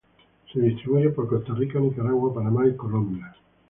Se distribuye por Costa Rica, Nicaragua, Panamá y Colombia.